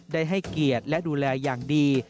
ได้ให้เกียรติและดูแลอย่างดี